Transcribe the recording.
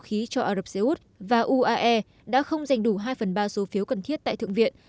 vũ khí cho arab seoul và uae đã không giành đủ hai phần ba số phiếu cần thiết tại thượng viện